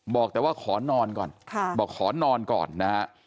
บอกแต่ว่าขอนอนก่อนบอกขอนอนก่อนนะฮะ